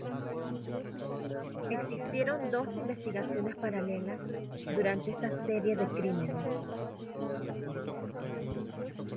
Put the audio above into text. Existieron dos investigaciones paralelas durante esta serie de crímenes.